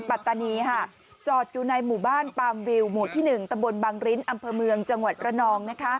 ปัตตานีจอดอยู่ในหมู่บ้านปามวิวหมู่ที่๑ตำบลบังริ้นอำเภอเมืองจังหวัดระนอง